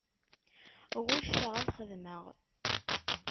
Ɣucceɣ ad xedmeɣ.